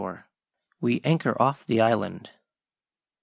WE ANCHOR OFF THE ISLAND.